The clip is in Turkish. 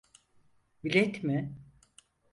Bilet mi?